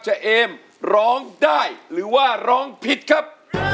เอมร้องได้หรือว่าร้องผิดครับ